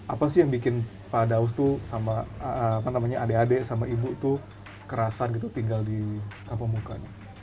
apa sih yang bikin pak firdaus sama adik adik sama ibu itu kerasan tinggal di kampung muka